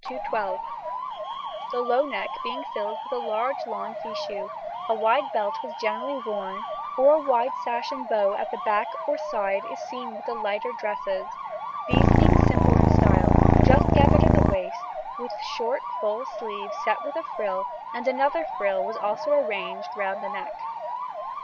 212), the low neck being filled with a large lawn fichu; a wide belt was generally worn, or a wide sash and bow at the back or side is seen with the lighter dresses, these being simple in style, just gathered at the waist, with short full sleeves set with a frill, and another frill was also arranged round the neck.